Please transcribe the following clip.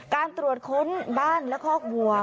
การตรวจค้นบ้านและคอกวัว